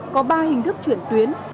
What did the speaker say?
có ba hình thức chuyển tuyến